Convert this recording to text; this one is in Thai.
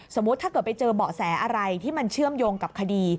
ถ้าเกิดไปเจอเบาะแสอะไรที่มันเชื่อมโยงกับคดี